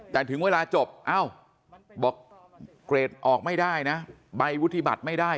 แต่ถึงเวลาจบเอ้าบอกเกรดออกไม่ได้นะใบวุฒิบัตรไม่ได้